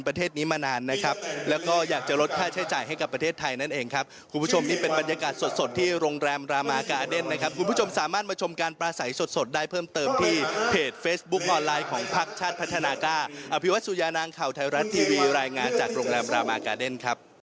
ภักษ์ชาติพัฒนากาอภิวัติสุยานางเข่าไทยรัฐทีวีรายงานจากโรงแรมรามากาเดนครับ